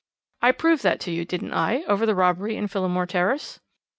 I proved that to you, didn't I, over that robbery in Phillimore Terrace?